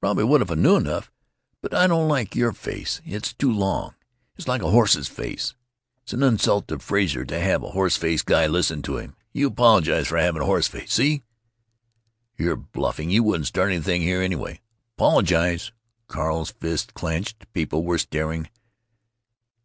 Prob'ly would if I knew enough. But I don't like your face. It's too long. It's like a horse's face. It's an insult to Frazer to have a horse faced guy listen to him. You apologize for having a horse face, see?" "You're bluffing. You wouldn't start anything here, anyway." "Apologize!" Carl's fist was clenched. People were staring.